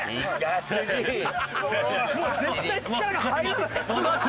もう絶対力が入らない。